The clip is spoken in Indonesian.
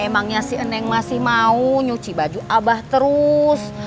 makanya si neng masih mau nyuci baju abah terus